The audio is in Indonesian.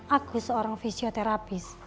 aku seorang fisioterapis